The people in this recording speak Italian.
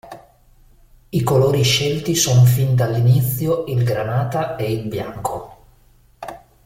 I colori scelti sono fin dall'inizio il granata e il bianco.